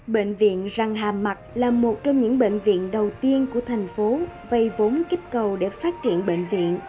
bệnh viện răng hàm mặt là một trong những bệnh viện đầu tiên của thành phố vây vốn kích cầu để phát triển bệnh viện